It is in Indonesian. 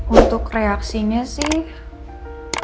untuk reaksinya sih